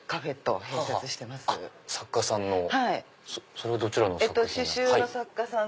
それはどちらの作家さん。